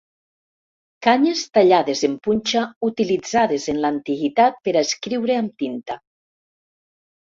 Canyes tallades en punxa utilitzades en l'antiguitat per a escriure amb tinta.